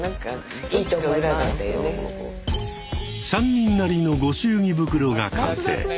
３人なりの御祝儀袋が完成。